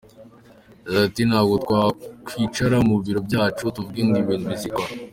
Yagize ati” Ntabwo twakwicara mu biro byacu, tuvuge ngo ibintu bizikora.